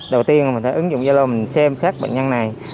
đầu tiên mình phải ứng dụng gia lô mình xem xét bệnh nhân này